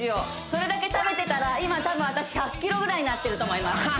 それだけ食べてたら今多分私１００ｋｇぐらいになってると思います